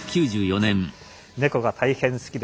猫が大変好きです。